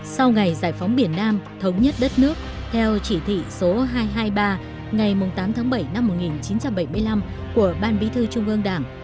sau ngày giải phóng biển nam thống nhất đất nước theo chỉ thị số hai trăm hai mươi ba ngày tám tháng bảy năm một nghìn chín trăm bảy mươi năm của ban bí thư trung ương đảng